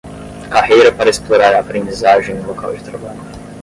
Carreira para explorar a aprendizagem no local de trabalho